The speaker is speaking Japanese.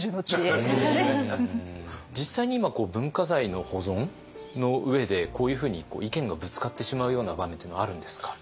実際に今文化財の保存の上でこういうふうに意見がぶつかってしまうような場面っていうのはあるんですか？